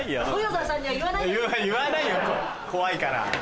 言わないよ怖いから。